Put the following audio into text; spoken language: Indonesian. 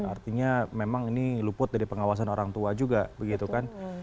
artinya memang ini luput dari pengawasan orang tua juga begitu kan